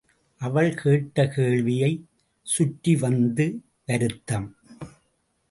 அவள் கேட்ட கேள்வியைச் சுற்றி வந்த வருத்தம்.